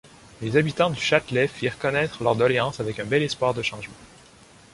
Les habitants du Châtelet firent connaître leurs doléances avec un bel espoir de changement.